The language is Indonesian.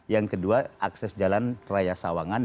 yang kedua akses jalan raya sawangan